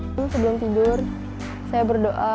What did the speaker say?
sebelum tidur saya berdoa